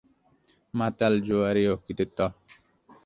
মাতাল, জোয়ারি, অকৃতিত্ব!